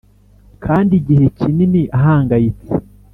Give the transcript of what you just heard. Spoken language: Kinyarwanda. kandi igihe kinini ahangayitse